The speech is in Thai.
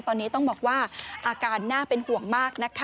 ตอนนี้ต้องบอกว่าอาการน่าเป็นห่วงมากนะคะ